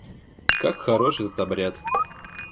Как хорош этот обряд!